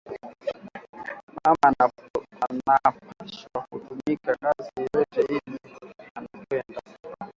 Mama anapashwa kutumika kazi yoyote ile anapenda